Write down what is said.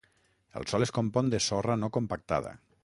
El sòl es compon de sorra no compactada.